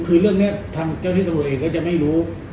คือเรื่องนี้คนที่เข้าประตูเองก็จะไม่รู้